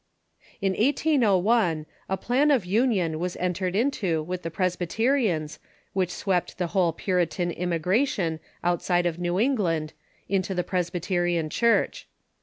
In 1801 a plan of union was entered into with the Presby terians which swept the whole Puritan immigration outside of Concessions ^^w England into the Presbyterian Church.